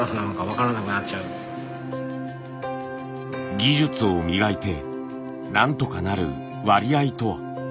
技術を磨いてなんとかなる割合とは？